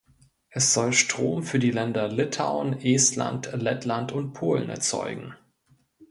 Es soll Strom für die Länder Litauen, Estland, Lettland und Polen erzeugen.